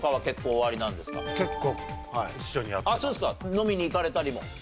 飲みに行かれたりも？あります